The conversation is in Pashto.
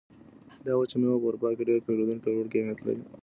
دا وچه مېوه په اروپا کې ډېر پېرودونکي او لوړ قیمت لري.